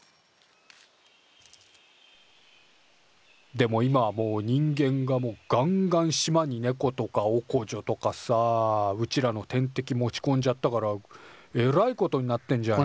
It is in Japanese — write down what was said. でも今はもう人間ががんがん島にネコとかオコジョとかさうちらの天敵持ちこんじゃったからえらいことになってんじゃんよ。